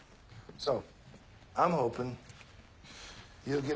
そう？